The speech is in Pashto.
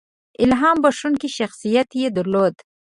• الهام بښونکی شخصیت یې درلود.